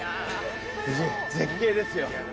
夫人、絶景ですよ。